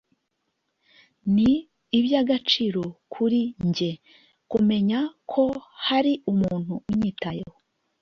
ni iby’agaciro kuri nge kumenya ko hari umuntu unyitayeho